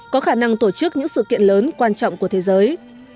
có khả năng tổ chức những sự kiện lớn quan trọng của thế giới